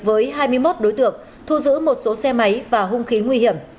với hai mươi một đối tượng thu giữ một số xe máy và hung khí nguy hiểm